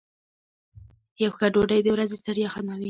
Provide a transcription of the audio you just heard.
یو ښه ډوډۍ د ورځې ستړیا ختموي.